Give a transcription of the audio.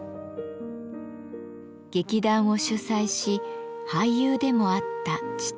劇団を主宰し俳優でもあった父。